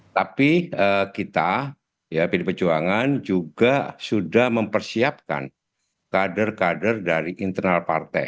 tapi kita ya pd perjuangan juga sudah mempersiapkan kader kader dari internal partai